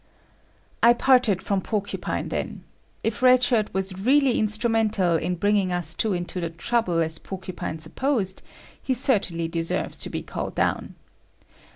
I parted from Porcupine then. If Red Shirt was really instrumental in bringing us two into the trouble as Porcupine supposed, he certainly deserves to be called down.